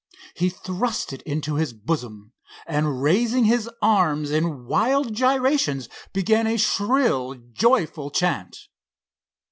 He thrust it into his bosom, and raising his arms in wild gyrations began a shrill, joyful chant.